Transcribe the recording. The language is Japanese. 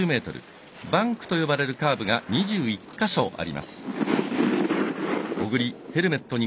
バンクと呼ばれるカーブが２１か所あります。